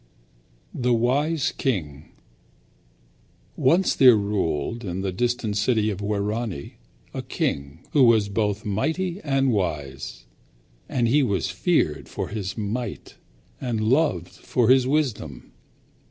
The Wise King Once there ruled in the distant city of Wirani a king who was both mighty and wise. And he was feared for his might and loved for his wisdom.